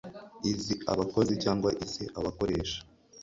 iz abakozi cyangwa iz abakoresha